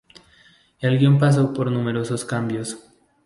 El guion pasó por numerosos cambios.